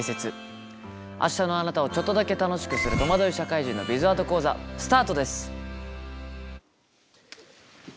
明日のあなたをちょっとだけ楽しくする「とまどい社会人のビズワード講座」スタートです。